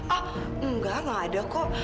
ah enggak ada kok